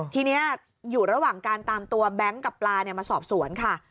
ทีนี้อยู่ระหว่างการตามตัวแบงค์กับปลามาสอบสวนค่ะ